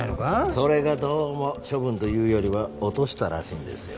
それがどうも処分というよりは落としたらしいんですよ